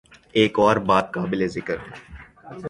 ایک اور بات قابل ذکر ہے۔